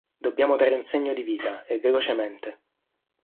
Dobbiamo dare un segno di vita, e velocemente.